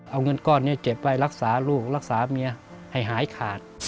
เอาเงินก้อนนี้เก็บไว้รักษาลูกรักษาเมียให้หายขาด